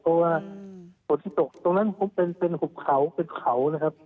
เพราะว่าฝนที่ตกตรงนั้นเป็นหุบเขาเป็นเขานะครับ